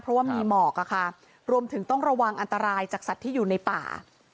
เพราะว่ามีหมอกอะค่ะรวมถึงต้องระวังอันตรายจากสัตว์ที่อยู่ในป่า